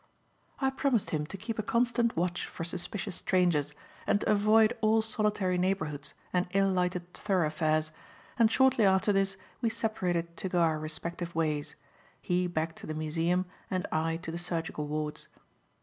I promised him to keep a constant watch for suspicious strangers and to avoid all solitary neighbourhoods and ill lighted thoroughfares, and shortly after this we separated to go our respective ways, he back to the museum and I to the surgical wards.